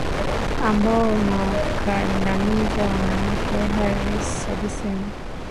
ambao unawakandamiza wanawake Harris alisema